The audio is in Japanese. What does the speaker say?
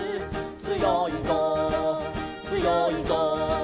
「つよいぞつよいぞ」